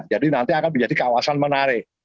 jadi nanti akan menjadi kawasan menarik